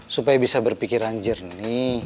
supaya bisa berpikiran jernih